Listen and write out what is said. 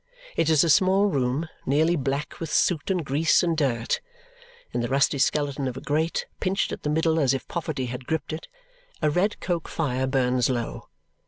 It is a small room, nearly black with soot, and grease, and dirt. In the rusty skeleton of a grate, pinched at the middle as if poverty had gripped it, a red coke fire burns low.